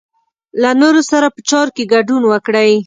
له نورو سره په چارو کې ګډون وکړئ.